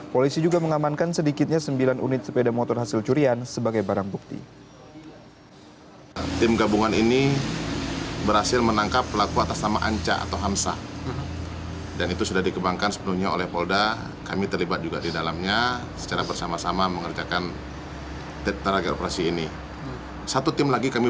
polisi juga mengamankan sedikitnya sembilan unit sepeda motor hasil curian sebagai barang bukti